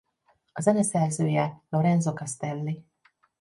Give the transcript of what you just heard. A zeneszerzője Lorenzo Castelli.